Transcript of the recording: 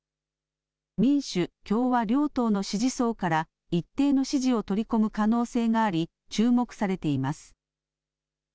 民主共和両党の支持層から一定の支持を取り込む可能性があり、注目されています。